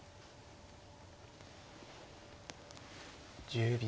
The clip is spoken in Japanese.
１０秒。